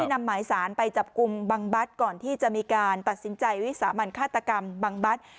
นำหมายสารไปจับกลุ่มบังบัตรก่อนที่จะมีการตัดสินใจวิสามันฆาตกรรมบังบัตร